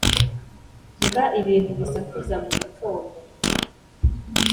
Nga ibintu bisakuza mu gitondo